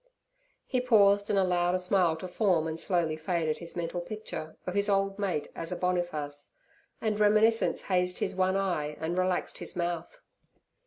He paused, and allowed a smile to form and slowly fade at his mental picture of his old mate as a Boniface, and reminiscence hazed his one eye and relaxed his mouth.